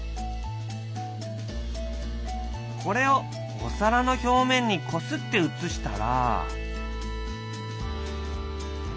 これをお皿の表面にこすって写したら。